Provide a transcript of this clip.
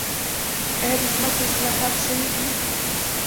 آیا د ځمکې اصلاحات شوي دي؟